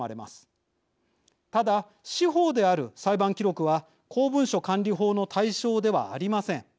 ただ司法である裁判記録は公文書管理法の対象ではありません。